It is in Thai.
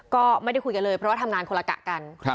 ก็ไม่ได้คุยกันเลยเพราะว่าทำงานคนละกะกัน